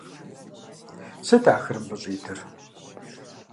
Сыт ахэр мыбы щӀитыр?